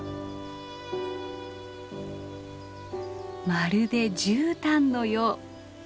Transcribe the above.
まるでじゅうたんのよう。